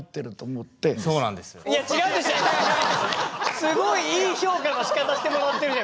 すごいいい評価のしかたしてもらってるじゃん。